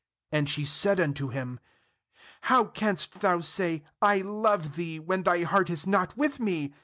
15And she said unto him: 'How canst thou say: I love thee, when thy heart is not with me?